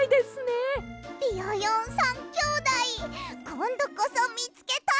ビヨヨン３きょうだいこんどこそみつけたい！